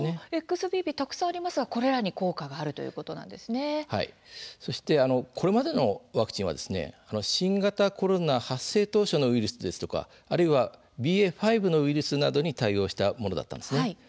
ＸＢＢ、たくさんありますけれども、これらにこれまでのワクチンは新型コロナ発生当初のウイルスですとか、あるいはＢＡ．５のウイルスなどに対応したものだったんです。